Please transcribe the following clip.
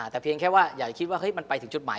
แต่เพียงแค่ว่าอยากจะคิดว่ามันไปถึงจุดหมาย